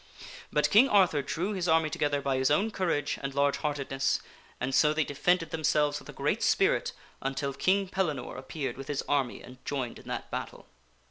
But King Arthur drew his army together by his own courage and large heartedness, and so they defended themselves with a great spirit until King Pellinore appeared with his army and joined in that battle.